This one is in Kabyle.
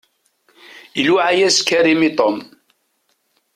Iluɛa-yas Karim i Tom.